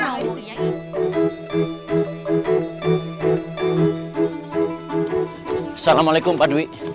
assalamualaikum pak dwi